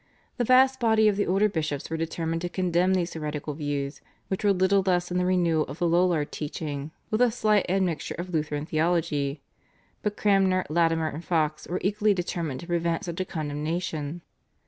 The vast body of the older bishops were determined to condemn these heretical views, which were little less than the renewal of the Lollard teaching with a slight admixture of Lutheran theology, but Cranmer, Latimer, and Foxe were equally determined to prevent such a condemnation.